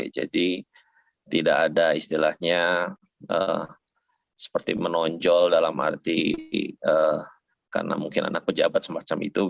jadi tidak ada istilahnya seperti menonjol dalam arti karena mungkin anak pejabat semacam itu